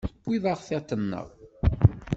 Tewwi-aɣ tiṭ-nneɣ.